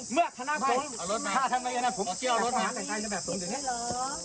เมื่อธนาคมถ้าทำไมอย่างนั้นผมจะเอารถหาใส่ใส่แบบผมอย่างนี้